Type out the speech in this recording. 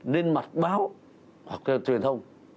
lên mặt báo hoặc truyền thông